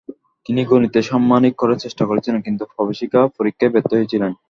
তিনি গণিতে সাম্মানিক করার চেষ্টা করেছিলেন, কিন্তু প্রবেশিকা পরীক্ষায় ব্যর্থ হয়েছিলেন।